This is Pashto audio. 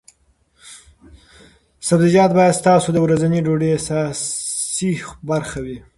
سبزیجات باید ستاسو د ورځنۍ ډوډۍ اساسي برخه وي.